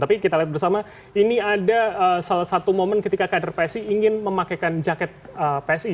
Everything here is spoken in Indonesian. tapi kita lihat bersama ini ada salah satu momen ketika kader psi ingin memakaikan jaket psi